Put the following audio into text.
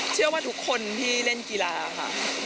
เชื่อว่าทุกคนที่เล่นกีฬาค่ะ